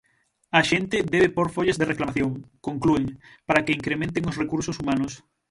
"A xente debe pór follas de reclamación", conclúen, para que incrementen os recursos humanos.